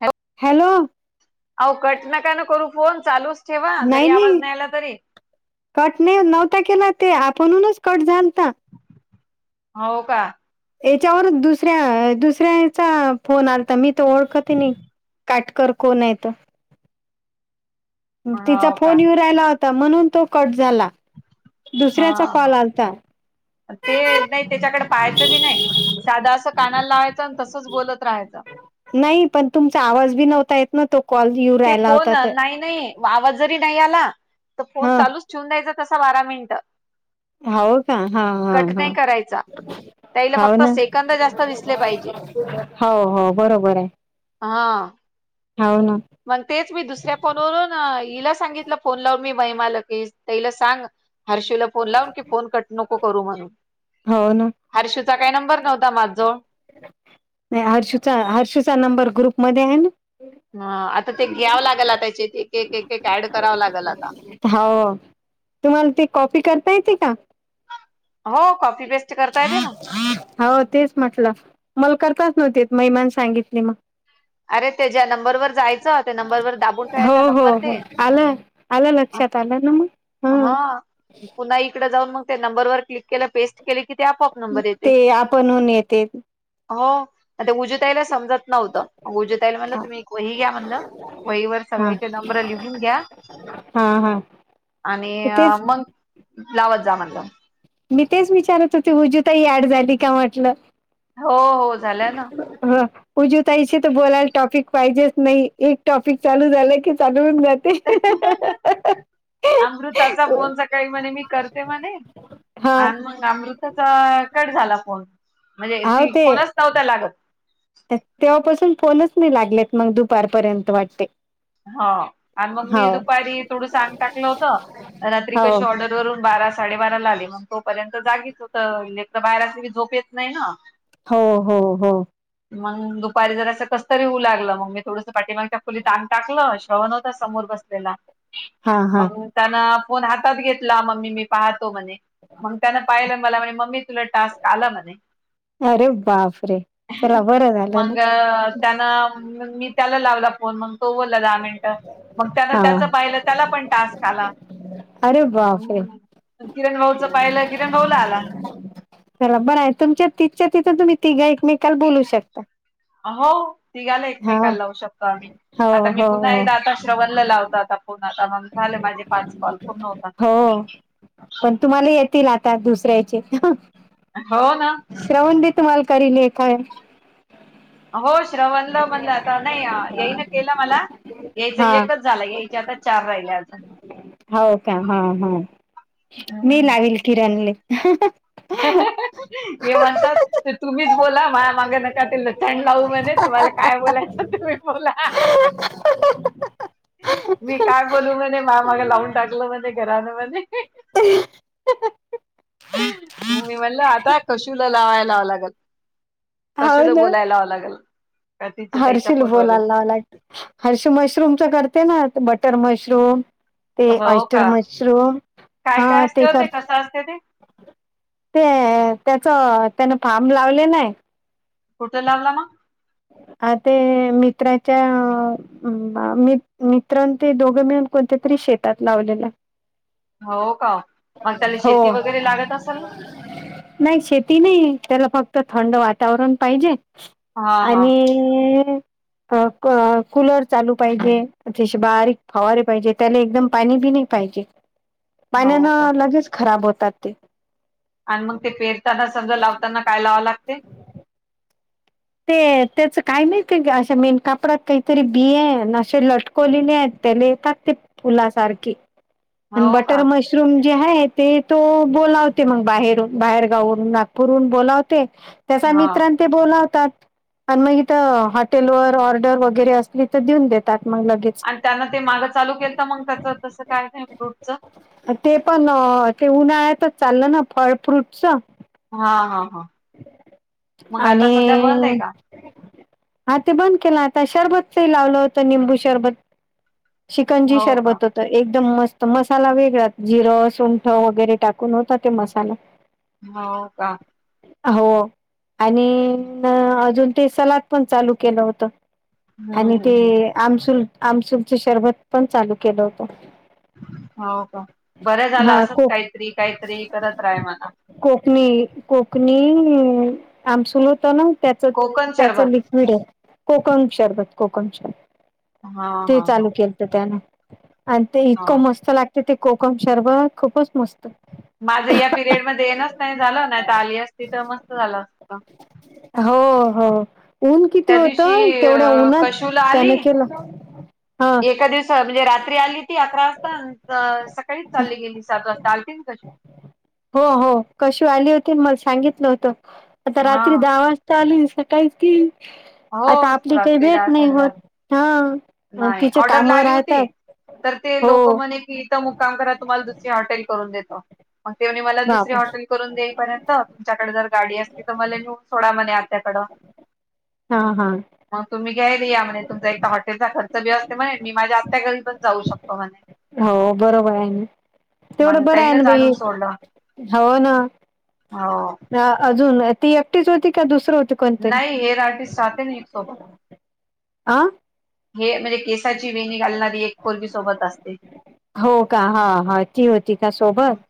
ह. हॅलो! अहो कट न का ना करू फोन चालूच ठेवा जरी आवाज नाही आला तरी कट नाही नव्हता केला ते आपणूनच कट झालत. हो का. याच्यावर दुसऱ्या दुसऱ्याचा फोन आलता मी त ओळखत नाही. काटकर कोण हेत? तिचा हो का फोन येऊ राहिला होता म्हणून तो कट झाला हा दुसऱ्याचा हा कॉल आलता. ते नाही त्याच्याकडे पाहायचं बी नाही साधा असं कानाला लावायचं आणि तसंच बोलत राहायचं. नाही पण तुमचा आवाज बी नव्हता येत. त कॉल य ते फोन नाही नाही आवाज जरी नाही आला तर फोन हा चालूच. ठेउन द्यायचं तसं बारा मिनिटं. हव का हा हा कट हा नाही करायचा त्याला हव फक्त ना. सेकंद जास्त दिसले पाहिजे हो हो बरोबर आहे. हा. हो हो ना. मग तेच मी दुसऱ्या फोनवरून हिला सांगितलं फोन लावून मी बहीमाल की तला सांग हर्षीला फोन लावून की फोन कट नको करू म्हणून. हो ना. हर्षूचा काही नंबर नव्हता माझजवळ नाही हर्षूचा हर्षूचा नंबर ग्रुपमध्ये आहे ना? ह आता ते घ्यावं लागेल त्याच्या ते एकक ऍड करावं लागेल आता हो तुम्हाला ते कॉफी करता येते का. हो कॉफी पेस्ट करता येते ना. हो तेच म्हटलं मला करताच नव्हती महिमान सांगितली मग. अरे ते ज्या नंबरवरर जायचं त्या नंबरवर दाबून हो ठेवायचा हो नंबर हो ते आलं आलं लक्षात आलं ना मग. हा पुन्हा इकडे जाऊन मग त्या नंबरवरर क्लिक केलं पेस्ट. केले कि ते आपआप नंबर येते. ते आपणहून येते हो ते उजताईला समजत नव्हतं उज म्हण हा तुम्ही एक वही घ्या म्हणलं वहीर सगळ्याचे नंब्र लिहून घ्या. हा हा आणि तेच मग लावत जा म्हणलं. मी तेच विचारत होती विजू ताई ऍड झाली का म्हटलं. हो हो झाल्या ना. हा. उजुताईशी तर बोलायला टॉपिक पाहिजेच नाही एक टॉपिक चालू झालं की चालू अमृताचा फोन सकाळी म्हणे मी करते म्हणे. हा आणि मंग अमृताचा कट झाला फोन म्हणजे हाव ती ते फोनच नव्हता लागत. तेव्हापासून फोनच नाही लागलेत मग दुपारपर्यंत वाटते. हो आणि मग मी हाव दुपारी थोडं सांग टाकलं होत रात्री हो कशी ऑर्डरवरून.. बारा साडेबाराला आले मग तोपर्यंत जागीच होते. एक तर बाहेर असले की झोप येत नाही ना. हो हो हो. मग दुपारी जर असं कस तरी होऊ लागलं. मग मी थोडस पाठीमागच्या खोलीत आंग टाकलं, श्रवण होता समोर बसलेला. हा हा मग मी त्यान फोन हातात घेतला. मम्मी मी पाहतो म्हणे. मग त्यान पाहिलं, मला म्हण मम्मी तुला टास्क आला म्हणे. अरे बापरे! चला बरं झालं ना. त्यान, म मी त्याला लावला फोन म. तो बोललं दहा मिनटं. मग त्यान हा त्याचं पाहिलं त्याला पण टास्क आला. अरे बाप रे! किरण भाऊचं पाहिलं, किरण भाऊला आला. चला बरं आहे. तुमच्या तिथच्या तिथं तुम्ही तिघ एकमेकाल बोलू शकता. हो तिघाला हा एकमेकाल लावू शकतो आम्ही. हो आता मी हो पुन्हा हो एकदा आता श श्रवणला लावता आता फोन. आता मग झाले माझे पाच कॉल पूर्ण होतात. हो पण तुम्हाला येतील आता दुसऱ्यायचे. हो ना. श्रवण बी तुमाला करील ए काय हो श्रवणल म्हणलं आता. नाही आ यायने केलं मला. यायच हा एकच झाला. यायच्या आता चार राहिले अजून. हो का? हं हं. मी अजून. लावील किरणले. हे म्हणतात ते तुम्हीच बोला. माह्या माग नका ते लचंड लावू म्हणे. तुम्हाला काय बोलायचं तुम्ही बोला. मी काय बोलू म्हणे, माया माग लावून टाकलं म्हणे, घरान म्हणे. [unintelligible] मी म्हणल आता कशुला लावायला लावा लागल. हो कशूला बोलायला लाव लागल. का तिच्या ताईच्या हर्षुला बोला फोनवरून लाव लागेल. हर्षु मशरूमच करते ना. बटर मशरूम, ते हो ऑस्टर का मशरूम, हा, ते कर करते ते. ते त्याच त्याने फार्म लावले नाही. कुठ लावला मग? अ ते मित्राच्या अं अ ब मी मित्रां ते दोघं मिळून कोणत्या तरी शेतात लावलेलये. हो का? मग त्याला हो. शेती वगैरे लागत असेल ना नाही शेती नाही. त्याला फक्त थंड वातावरण पाहिजे, हा हा आणि अं, क क कुलर चालू पाहिजे, म्हणजे असे बारीक फवारे पाहिजे. त्याले एकदम पाणी बी नही पाहिजे. हो पाण्यान का लगेच खराब होतात ते. आण मग ते पेरताना समजा लावताना काय लावं लागते? ते त्याच काही माहित? कान की अशा मेन कापडात काहीतरी बिया अन असे लट कोलेल्या आहेत त्या. त्याला येतात ते फुला सारखी. अन हो का बटर मश शरूम जे आहे ते, तो बोलावते मग बाहेरून, बाहेरगाववरून. नागपूरहून बोलावते, त्याचा हा मित्रन ते बोलावतात. पण मग इथं हॉटेल वर ऑर्डर वगैरे असली तर देऊन देतात मग लगेच. अन त्यान ते मागं चालू केल त मग त्याच तस काय काही फ्रूटच? ते पण ते उन्हाळ्यातच चाललं ना फळ फ्रूटच हा हा हा. मग आता आणि सध्या बंद आहे का हा ते बंद केलं आता शरबतचही लावलं होतं निंबू शरबत चिकंजी हो का शरबत होत. तर एकदम मस्त मसाला वेगळा जिरं सुंठ वगैरे टाकून होतात ते मसाला हो का? हो आणि अजून ते सलाद पण चालू केलं होत. हम्म आणि ते हम्म हम् आमसूल आमसूलच शरबत पण चालू केलं होत. हो का बरं झालं असत कोक काहीतरी काहीतरी करत राहाय मला कोकणी कोकणी आमसल होत ना त्याच कोकण त्याच शरबत ल. विडि कोकण शरबत कोकण शरबत हा ते हा हा चालू केल तर त्यांना आणि ते इतकं हा मस्त लागते ते कोकम शरबत खूपच मस्त माझं या पिरियडमध्येध्ये येनच नाही झालं नाही आ आली असती तर मस्त झालं अस. हो हो. ऊन किती त्या दिवशी होतं तेवढ्या अ उन्हात कशुला त्यानं आली केलं हा एका दिवसात. म्हणजे रात्री आली ती अकरा वाजता, अं सकाळीच चालली गेली. सात वाजता आलतीन कश हो हो कशी आली होती मला सांगितलं होतं आता हा रात्री दहा वाजता. चाले सकाळी त हो आता आपली काही रात्री भेट दहा नाही साडे दहा होत हा. आणि नाही तिचे ऑर्डर काम ला आली होती राहतात तर ते हो लोक म्हणे की इथं मुकाम करा तुम्हाला दुस बाप [unintelligible] करून देईपर्यंत तुमच्याकडे जर गाडी असली तर मला नेऊन सोडा मणे आत्याकडे हा हा. मग तुम्ही घ्यायल या म्हणे तुमचा एकदा हॉटेलचा खर्च बी असते म्हणे मी माझ्या आत्या घरी पण जाऊ शकतो म्हणे. हो बरोबर आहे तेवढं मग बरं आहे ना ताईनच भाई. आणून सोडलं हो ना हो अजून ती एकटीच होती का दुसरं होत. नाही हेर आर्टिस्ट राह ना सोबत आं. हे म्हणजे केसाची वेणी घालणारी एक पोर्वी सोबत असते. हो का हा हा ती होती का सोबत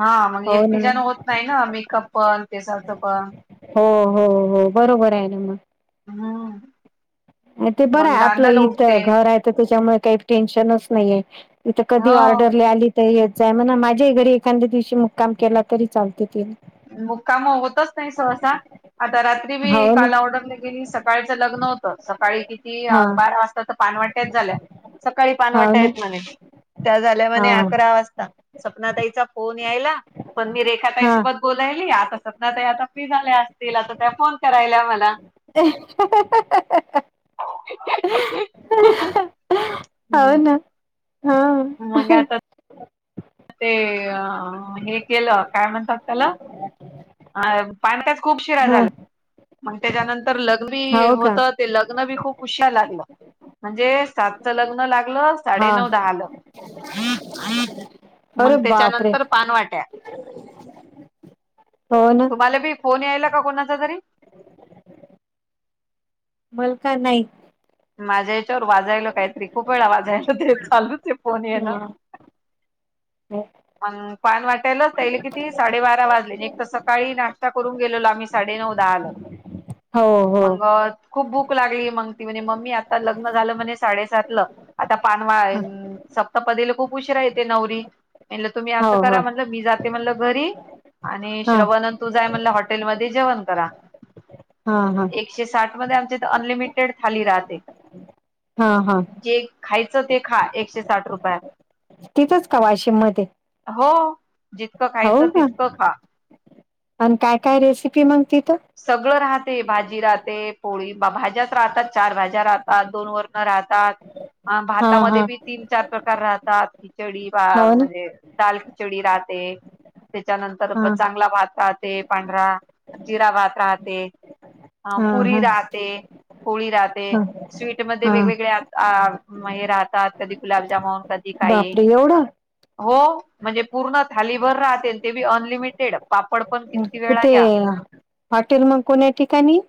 हा मग हो एकटी ना जण होत नाही ना मेकअप पण तेसारचं पण हो हो हो बरोबर आहे ना मग हम्म. ते बरं मग आहे आपलं दांदाला उठते इथ्थेघर आहे. त्यांच्यामुळे काही टेन्शनच नाहीय तथ कधी हो. ऑर्डर ल आली. यच आहे म्हणा माझ्याही घरी एखाद्या दिवशी मुक्काम केला तरी चालते ति मग काम होतच नाही सहसा आता रात्री मी हाव ना काल ऑर्डरले गेली सका सकाळचं लग्न होतं सकाळी कि कि हा बारा वाजता तर पानवाट्याच झाल्या सकाळी हाव पानवाट्या ना येत म्हणे. त्या झाल्या हा म्ह अकरा वाजता सपना ताईचा फोन यायला पण मी रेखा हा. ताईसोबत आता सतना आता फ्री झाल्या असतील आता त्या फोन करायल्या मला [unintelligible] हो [unintelligible] ना हा मग आता ते अ हे केलं काय म्हणतात त्याला अ पानकाच खूप शिरा हा झाला मग त्याच्यानंतर लग्वी हो का होत. ते लग्न बी खूप हुशार लागलं म्हणजे सातचं लग्न लागलं. हा. साडेनऊ दहाला अरे मग बापरे त्याच्यानंतर पानवाट्या हो ना. तुम्हाला बी फोन यायला का कोणाचा तरी मलका नाईक माझ्या याच्यावर वाजायला काहीतरी खूप वेळा वाजायला ते चालूच आहे फोन येनं. हा. अम पान वाटायलाच त्याला किती साडेबारा वाजले एक तर सकाळी नाश्ता करून गेलो आम्ही साडे नऊ दहाला ह मंगत खूप भूक लागली मग ती म्हणे मम्मी आता लग्न झालं म्हणे साडेसातल आता पानवा- सप्तापदीला खूप उशिरा येते नवरी. तुम्ही हो असं करा हो म्हणलं मी जाते म्हणलं घरी आणि हा श्रवण- तू जाय म्हणलं हॉटेलमध्ये जेवण करा. हा हा. एकशे साठ मध्ये आमच्या इथ अनलिमिटेड थाली राहते. हा हा. जे खायचं ते खा एकशे साठ रुपयात. तिथंच का वाशिम मध्ये? हो. जितकं हो खायचं का तितकं खा. आणि काय काय रेसिपी मग तिथ. सगळं राहते भाजी राहते पोळी भाज्याच राहतात चार भाज्या राहतात दोन वर- राहतात हा हा भातामध्ये बी तीन चार प्रकार राहतात खिचडी हो ना म्हणजे- दाल खिचडी राहते त्याच्यानंतर हा प चांगला भात राहते पांढरा. जिरा भात राहते. अ हा पुरी हा राहते पोळी राहते हा स्वीटमध्ये हा वेगवेगळे्या- अ हे राहतात कधी गुलाबजामुन कधी काही- बापरे एवढं हो म्हणजे पूर्ण थालीभर राहते ते बी अनलिमिटेड पापड पण किती वेळा घ्या. ह हॉटेल मग कोण्या ठिकाणी?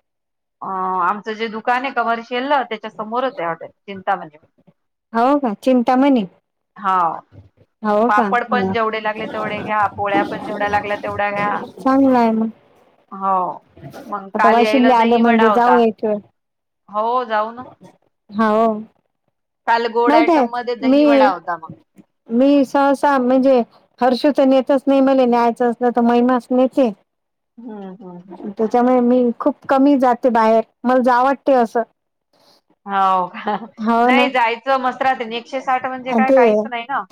अ आमचं जे दुकान आहे कमर्शियल ना त्याच्या समोरच आहेटल चिंतामणी. हो का चिंतामणी. हा. हो का पापड पण हा जेवढे लागले तेवढे घ्या पोळ्या पण जेवढ्या लागल्या तेवढ्या घ्या. चांगलं आहे मग हो. मग आता काल वाशिम यायला ला आलं दही वडा म्हणजे जाऊ होता एक वेळ. हो जाऊ ना. हो. काल गोड माहित आहे आयटम मध्ये दही वडा मी- होता मग मी सहसा म्हणजे हर्ष तर नेतच नाही म्हले न्यायचंच नाही तर महिमाच नेते. हम्म हम् ह त्याच्यामुळे मी खूप कमी जाते बाहेर मला जावटते असं हो का हो नाही ना जायचं मसरात एकशे साठ म्हणजे काय काहीच नाही ना.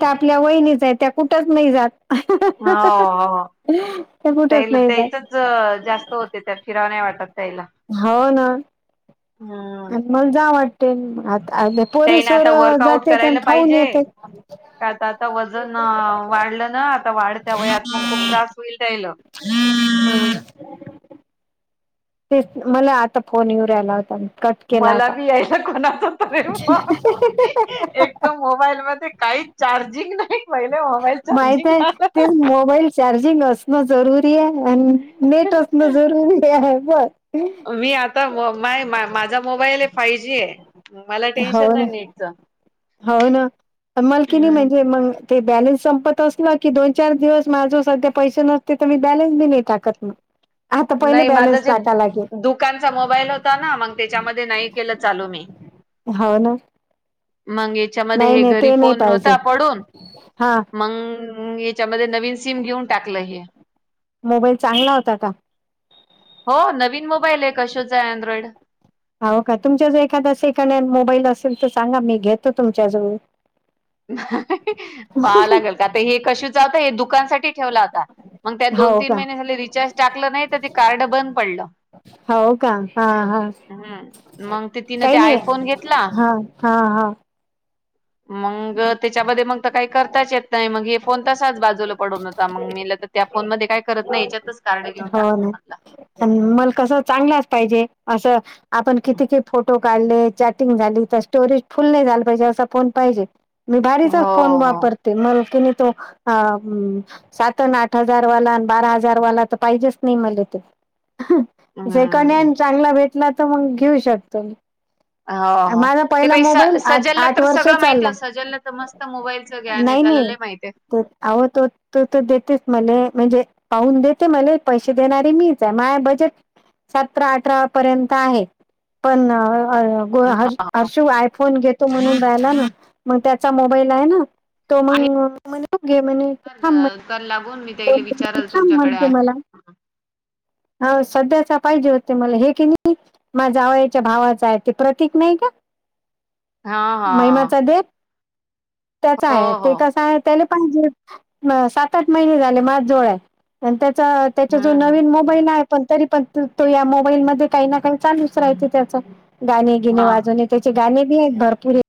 त्या आपल्या वहिनीच आहे त्या कुठंच नाही जात. हो हो ते कुठच त्या नाही जात त्याच- जास्त होते त्या फिराव नाही वाटत ताईला. हो ना. आणि मला जा वाटते त्याने पोरीसोर आता वर्कआउट जाते आणि करायला खाऊन पाहिजे येते. का आता आता वजन वाढलं ना आता वाढत वयात मग खूप त्रास होईल त्याला. हम्म तेच मला आता फोन येऊ रा्यायला होता. कट केला मला आता बी यायला कोणाच त एक तर मोबाईल मध्ये काही- चार्जिंग नाही पहिने मोबाईल माहित चार्जिंग आहे ला- तेच मोबाईल चार्जिंग असणं जरुरी आहे आणि नेट असणं जरुरी आहे बर मी आता माय माझा मोबाईल फाय जी आहे. मला टेन्शन नाही नेटच. ह आम्हाला की नी म्हणजे मग ते बॅलेन्स संपत असलं, की दोन चार दिवस माझो सध्या पैसे नसते तर मी बॅलेन्स बी नाही टाकत मग. आता पहिले बॅलन्स ते टाका लागेल दुकानचा मोबाईल होता ना, मग त्याच्यामध्ये नाही केलं चालू मी. हो ना मग याच्यामध्ये नाही, हे नाही घरी ते नाही फोन पाहिजे. होता पडून, हां, मंग हम याच्यामध्ये नवीन सिम घेऊन टाकलं हे. मोबाईल चांगला होता का? हो नवीन मोबाईल आहे, कशोचं आहे अँड्रॉइड. हो का? तुमच्या जर एखादा सेकंड हँड मोबाईल असेल तर सांगा, मी घेतो तुमच्याजवळुन. पाहा लागेल, का ता हे कशीचा होता हे दुकानसाठी ठेवला होता. मग त्यात दोन हो तीन का? महिने झाले रिचार्ज टाकलं नाही, तर ते कार्ड बंद पडलं. हो का? हां, हां. हम्म, मग ते तिनं ते काही नाही. आयफोन घेतला. हां, हां, हां. मग, त्याच्यामध्ये मग काही करताच येत नाही, मग हे फोन तसाच बाजूला पडून होता, मग मी तर त्या फोनमध्ये काय करत नाही, याच्यातच कार हो ना, पण मल कसं चांगलाच पाहिजे असं आपण किती काही फोटो काढले, चॅटिंग झाली तर स्टोरेज फुल नाही झाला पाहिजे, असा फोन पाहिजे. मी भारीचाच हो फोन हो वापर मल कि नाही तो, सात आणि आठ हजार वाला बारा हजार वाला त पाहिजेच नाही मले ते, जे हम्म [unintelligible] चांगला भे ना तर मग घेऊ शकतो. हा हा माझा ते पहिला बाई स मोबाईल आठ सजलला आठ तर वर्ष सगळं चालला माहितीय, सजलला तर मस्त मोबाईलचं ग्यान आहे त्याला लय माहितय आहे. आहो तो तो तर देतेच म्हणे, म्हणजे पाहून देत ते मले, पैसे देणारी मीच आहे माझं बजेट सतरा अठरा पर्यंत आहे. पण ह हर्शु आयफोन घेतो म्हणून राहिला ना, मग त्याचा मोबाईल आहे ना. तो आहे मंग म्हणे घे म्हणे, तु थांब तर दुकान लागून मी त्याला विचारल तुमच्याकडे [unintelligible] आहे. ला, अहो सध्याचा पाहिजे होते मला हे की नाही माझ्या जावयाच्या भावाच आहे, ते प्रतीक नाही का? हा हा महिमाचा देत त्याचा हो आहे, ते हो कसं आहे त्याला पण, जे सात आठ महिने झाले माझ्याच जवळ आहे. आणि त्याचा, त्याचा जो हम्म हम्म. नवीन मो पहिला आहे, पण तरी पण तो या मोबाईल मध्ये काही ना काही चालूच राहते त्याचा. गाणे गिणे हा. वाजवणे त्याचे गाणे बी आहेत भरपूर